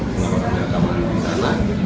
mengapa kami rekaman di sana